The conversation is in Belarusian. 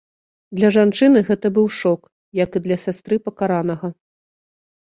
Для жанчыны гэта быў шок, як і для сястры пакаранага.